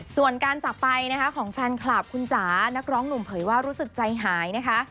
ส่วนการจากไปนะคะของแฟนคลับคุณจ๋านักร้องหนุ่มเผยว่ารู้สึกใจหายนะคะ